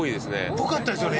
っぽかったですよね